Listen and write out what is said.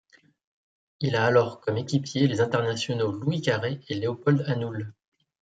Il a alors comme équipiers les internationaux Louis Carré et Léopold Anoul.